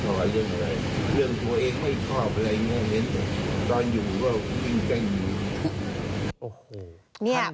ตอนอยู่ก็คุ้มใจอยู่